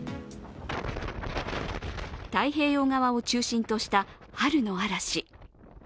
太平洋側を中心とした春の嵐。